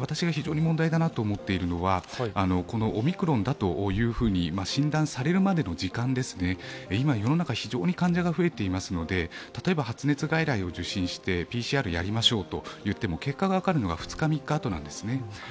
私が非常に問題だと思っているのは、オミクロンだと診断されるまでの時間、今世の中非常に患者が増えていますので、例えば発熱外来を受診してＰＣＲやりましょうといっても結果が分かるのが２３日あとなんですね。